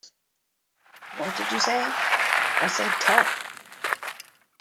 What did you say? I said 'Tut!'